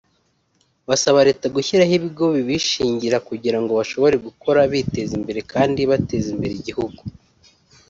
Basaba Leta gushyiraho ibigo bibishingira kugira ngo bashobore gukora biteza imbere kandi bateza imbere igihugu